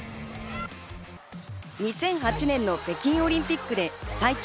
２００８年の北京オリンピックで最強